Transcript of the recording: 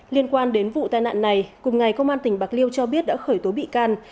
liên quan đến vụ tai nạn này cùng ngày công an tỉnh bạc liêu cho biết đã khởi tố bị can